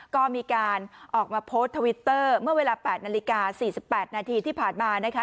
ก็มีการออกมาโพสต์ทวิตเตอร์เมื่อเวลา๘นาฬิกา๔๘นาทีที่ผ่านมานะคะ